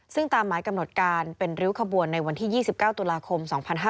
ซึ่งตามหมายกำหนดการเป็นริ้วขบวนในวันที่๒๙ตุลาคม๒๕๕๙